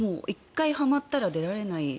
１回はまったら出られない